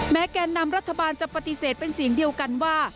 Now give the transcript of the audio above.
แก่นำรัฐบาลจะปฏิเสธเป็นเสียงเดียวกันว่า